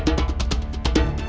hati yang mulia